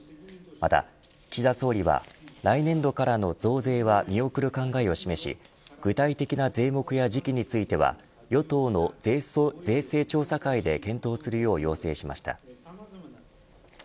また岸田総理は来年度からの増税は見送る考えを示し具体的な税目や時期については与党の税制調査会で検討するよう要請しました。